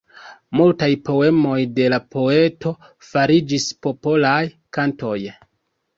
Multaj poemoj de la poeto fariĝis popolaj kantoj.